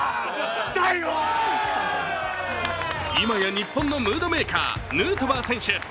今や日本のムードメーカーヌートバー選手。